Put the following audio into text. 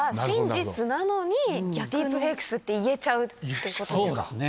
真実なのに、ディープフェイクスって言えちゃうってことですか。